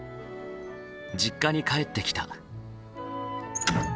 実家に帰ってきた。